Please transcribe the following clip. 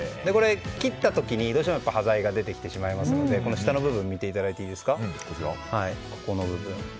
切った時に端材が出てきてしまいますので下の部分を見ていただいていいですか？